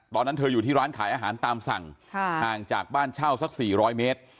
ตอนนั้นเธออยู่ที่ร้านขายอาหารตามสั่งห่างจากบ้านเช่าสัก๔๐๐เมตร